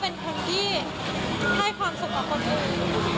เป็นคนที่ให้ความสุขกับคนอื่น